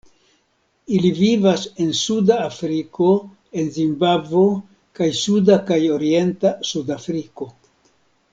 Ili vivas en Suda Afriko en Zimbabvo kaj suda kaj orienta Sudafriko.